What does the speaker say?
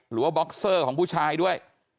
หรือว่าบ็อกเซอร์ของผู้ชายด้วย